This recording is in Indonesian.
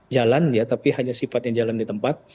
jalan ya tapi hanya sifatnya jalan di tempat